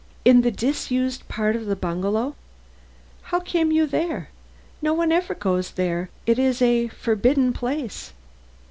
"In the disused part of the bungalow? How came you there? No one ever goes there it is a forbidden place."